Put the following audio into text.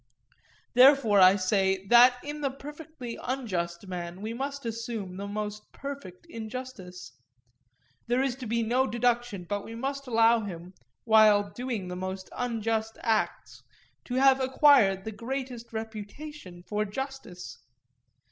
Therefore I say that in the perfectly unjust man we must assume the most perfect injustice; there is to be no deduction, but we must allow him, while doing the most unjust acts, to have acquired the greatest reputation for justice.